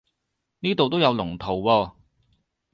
呢度都有龍圖喎